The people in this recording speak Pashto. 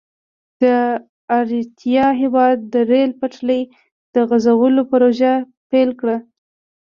د اریتریا هېواد د ریل پټلۍ د غزولو پروژه پیل کړه.